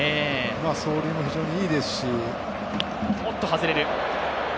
走塁も非常にいいですし。